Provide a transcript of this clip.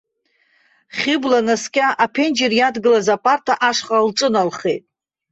Хьыбла наскьа аԥенџьыр иадгылаз апарта ашҟа лҿыналхеит.